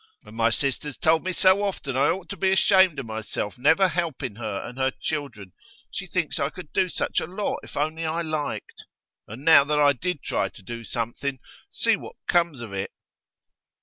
And my sister's told me so often I ought to be ashamed of myself never helping her and her children; she thinks I could do such a lot if I only liked. And now that I did try to do something, see what comes of it!